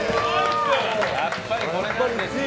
やっぱりこれなんですよ。